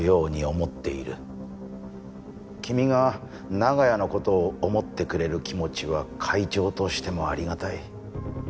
君が長屋の事を思ってくれる気持ちは会長としてもありがたい。